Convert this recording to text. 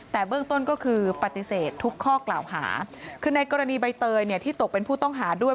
แต่เบื้องต้นก็คือปฏิเสธทุกข้อกล่าวหาคือในกรณีใบเตยเนี่ยที่ตกเป็นผู้ต้องหาด้วย